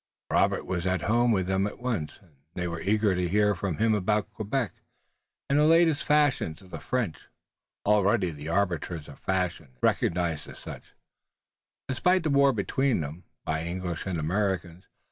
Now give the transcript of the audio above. Robert was at home with them at once, and they were eager to hear from him about Quebec and the latest fashions of the French, already the arbiters of fashion, and recognized as such, despite the war between them, by English and Americans.